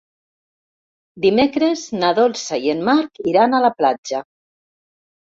Dimecres na Dolça i en Marc iran a la platja.